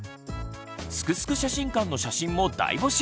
「すくすく写真館」の写真も大募集！